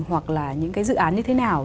hoặc là những cái dự án như thế nào